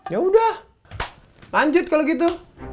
yaudah lanjut kalau gitu